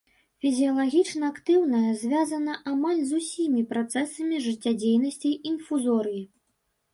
Фізіялагічна актыўнае, звязана амаль з усімі працэсамі жыццядзейнасці інфузорыі.